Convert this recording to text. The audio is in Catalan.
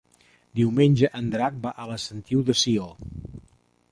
Diumenge en Drac va a la Sentiu de Sió.